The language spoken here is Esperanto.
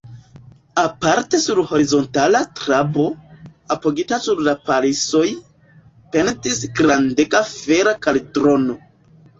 Aparte sur horizontala trabo, apogita sur du palisoj, pendis grandega fera kaldrono.